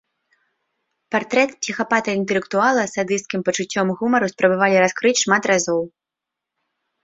Партрэт псіхапата-інтэлектуала з садысцкім пачуццём гумару спрабавалі раскрыць шмат разоў.